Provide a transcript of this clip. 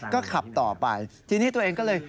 ก็ขับต่อไปทีนี้ตัวเองก็เลย